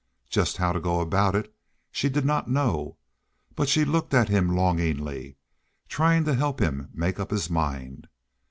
Just how to go about it she did not know, but she looked at him longingly, trying to help him make up his mind.